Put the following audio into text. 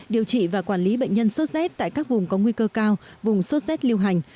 điều trị và quản lý bệnh nhân số z tại các vùng có nguy cơ cao vùng sốt z liêu hành